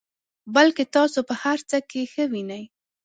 بلکې تاسو په هر څه کې ښه وینئ.